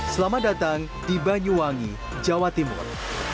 selamat datang di banyuwangi jawa timur